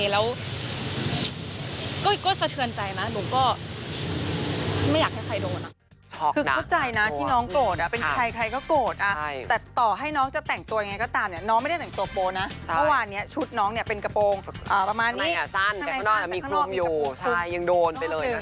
แล้วก็สะเทือนใจนะหนูก็ไม่อยากให้ใครโดนไปเลย